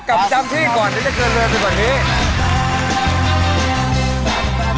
ขอจำพี่ก่อนจะโชว์เรือนไปก่อนพี่